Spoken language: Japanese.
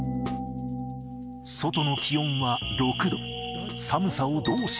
外の気温は６度。